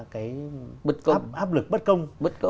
cái áp lực bất công